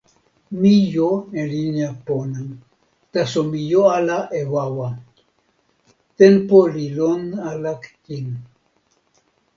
mi jo e linja pona, taso mi jo ala e wawa. tenpo li lon ala kin.